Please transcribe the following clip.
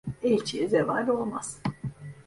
Elçiye zeval olmaz.